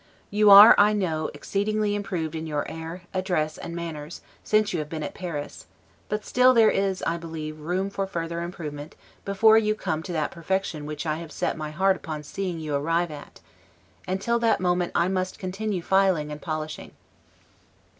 You are, I know, exceedingly improved in your air, address, and manners, since you have been at Paris; but still there is, I believe, room for further improvement before you come to that perfection which I have set my heart upon seeing you arrive at; and till that moment I must continue filing and polishing.